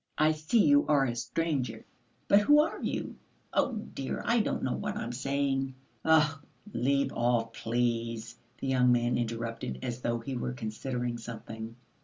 I see you are a stranger, but who are you? Oh, dear, I don't know what I am saying!" "Ugh, leave off, please!" the young man interrupted, as though he were considering something.